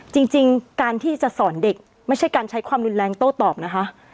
จริงการที่จะสอนเด็กไม่ใช่การใช้ความรุนแรงโต้ตอบนะคะ